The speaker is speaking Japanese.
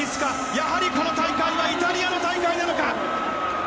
やはりこの大会はイタリアの大会なのか。